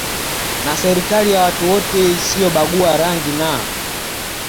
na serikali ya watu wote isiyobagua rangi na